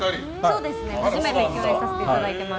そうですね初めて共演させていただいてます。